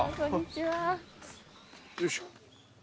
よいしょ。